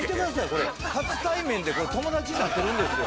これ初対面で友達になってるんですよ